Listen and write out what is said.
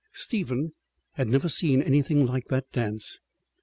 Stephen had never seen anything like that dance.